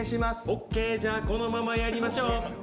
オーケーじゃあこのままやりましょう。